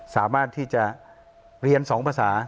สามารถที่จะเรียน๒ภาษา